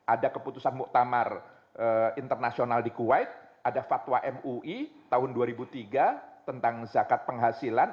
ada keputusan muktamar internasional di kuwait ada fatwa mui tahun dua ribu tiga tentang zakat penghasilan